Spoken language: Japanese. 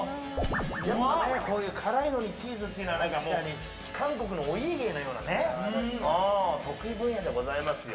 こういう辛いのにチーズっていうのは韓国のお家芸のようなね得意分野でございますよ。